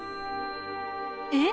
えっ？